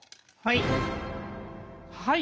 はい。